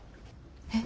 えっ。